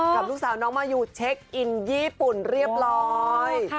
กับลูกสาวน้องมายูเช็คอินญี่ปุ่นเรียบร้อย